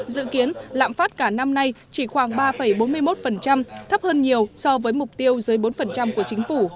dự kiến lạm phát cả năm nay chỉ khoảng ba bốn mươi một thấp hơn nhiều so với mục tiêu dưới bốn của chính phủ